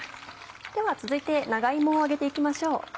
では続いて長芋を揚げて行きましょう。